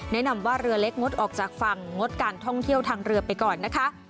แนะนำว่าเรือเล็กงดออกจากฝั่งงดการท่องเที่ยวทางเรือไปก่อนนะคะ